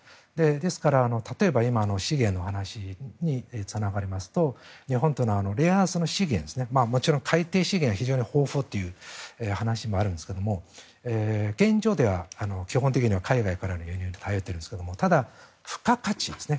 ですから、例えば今の資源の話につながりますと日本とのレアアースの資源もちろん海底の資源は非常に豊富という話もあるんですが現状では基本的には海外からの輸入に頼っているんですがただ、付加価値ですね。